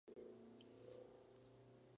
Probablemente regresó a sus negocios en Boston.